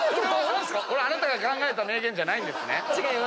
あなたが考えた名言じゃない？